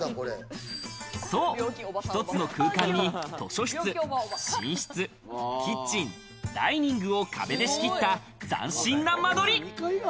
一つの空間に図書室、寝室、キッチン、ダイニングを壁で仕切った斬新な間取り。